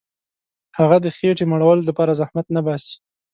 هغه د خېټي مړولو دپاره زحمت نه باسي.